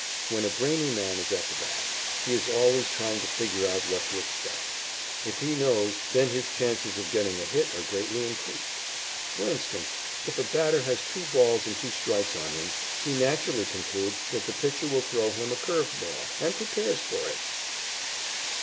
When a brainy man is at the bat, he is always trying to figure out what to expect. If he knows, then his chances of getting a hit are greatly increased. For instance, if a batter has two balls and two strikes on him, he naturally concludes that the pitcher will throw him a curve ball, and prepares for it.